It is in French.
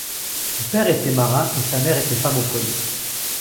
Son père était marin, et sa mère était femme au foyer.